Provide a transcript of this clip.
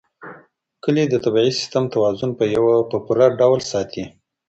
کلي د طبعي سیسټم توازن په پوره ډول ساتي.